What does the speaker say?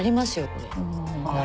これ。